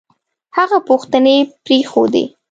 هغه پوښتنې پرېښودې